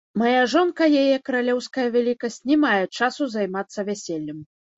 Мая жонка, яе каралеўская вялікасць, не мае часу займацца вяселлем.